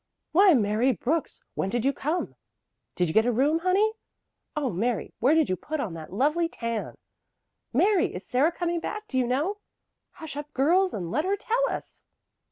"Why, Mary Brooks! When did you come?" "Did you get a room, honey?" "Oh, Mary, where did you put on that lovely tan?" "Mary, is Sarah coming back, do you know?" "Hush up, girls, and let her tell us!"